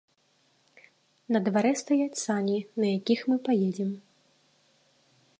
На дварэ стаяць сані, на якіх мы паедзем.